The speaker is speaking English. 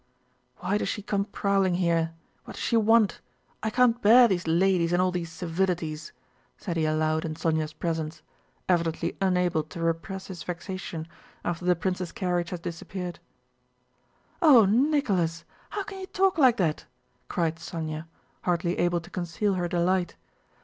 "Why does she come prowling here? What does she want? I can't bear these ladies and all these civilities!" said he aloud in Sónya's presence, evidently unable to repress his vexation, after the princess' carriage had disappeared. "Oh, Nicholas, how can you talk like that?" cried Sónya, hardly able to conceal her delight.